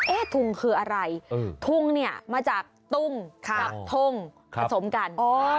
เอ๊ะทุ่งคืออะไรทุ่งเนี่ยมาจากตุ้งค่ะทุ่งผสมกัน